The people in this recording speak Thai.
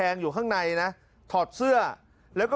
รอยสักที่หน้าอก